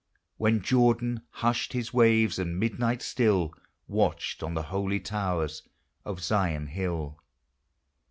.When Jordan hushed his waves, and midnight still .Watched on the holy towers of Zion hill!